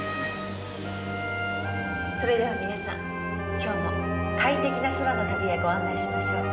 「それでは皆さん今日も快適な空の旅へご案内しましょう」